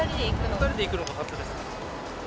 ２人で行くのが初です。